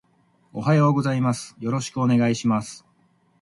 おはようございます。よろしくお願いします